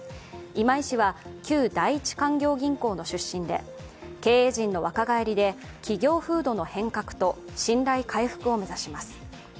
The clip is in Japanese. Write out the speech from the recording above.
今井氏は旧第一勧業銀行の出身で経営陣の若返りで企業風土の変革と信頼回復を目指します。